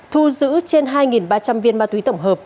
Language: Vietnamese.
thu giữ trên hai ba trăm linh viên ma túy tổng hợp